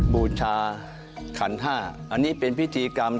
บูชาขันห้าอันนี้เป็นพิธีกรรม